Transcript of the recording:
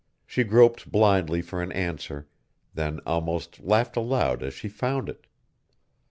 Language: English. She groped blindly for an answer, then almost laughed aloud as she found it.